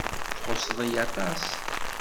Txuṣṣeḍ-iyi aṭas.